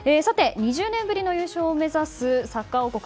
２０年ぶりの優勝を目指すサッカー王国